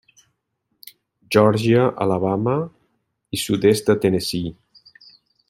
Geòrgia, Alabama i sud-est de Tennessee.